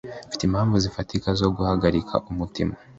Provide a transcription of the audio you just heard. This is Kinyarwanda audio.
mfite impamvu zifatika zo guhagarika umutima